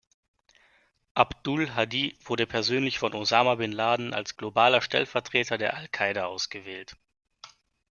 Abdul Hadi wurde persönlich von Osama bin Laden als globaler Stellvertreter der al-Qaida ausgewählt.